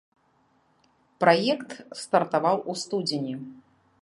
Праект стартаваў у студзені.